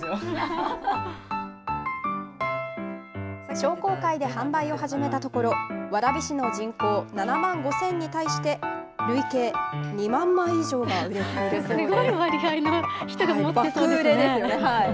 商工会で販売を始めたところ、蕨市の人口７万５０００に対して、累計２万枚以上が売れたそうです。